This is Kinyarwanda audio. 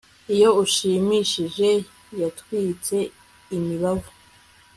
iyo ushimishije yatwitse imibavu